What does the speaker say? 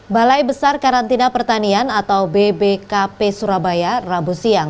balai besar karantina pertanian atau bbkp surabaya rabu siang